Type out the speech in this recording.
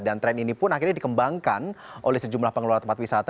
dan tren ini pun akhirnya dikembangkan oleh sejumlah pengelola tempat wisata